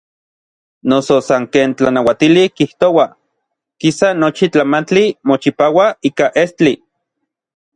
Noso san ken tlanauatili kijtoua, kisa nochi tlamantli mochipaua ika estli.